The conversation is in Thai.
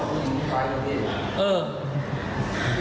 ตอนที่พี่กำลังสัมภาษณ์อยู่นี่เขาเข้ามา